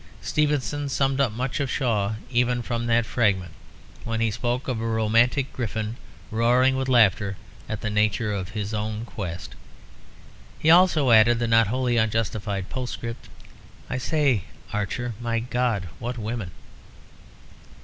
Stevenson summed up much of Shaw even from that fragment when he spoke of a romantic griffin roaring with laughter at the nature of his own quest. He also added the not wholly unjustified postscript: "I say, Archer, my God, what women!"